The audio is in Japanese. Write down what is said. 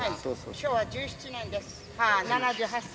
昭和１７年です。